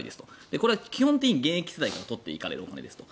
これは基本的に現役世代から取っていくお金だと。